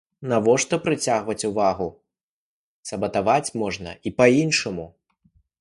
Навошта прыцягваць увагу, калі сабатаваць можна і па іншаму.